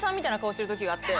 してる時があって。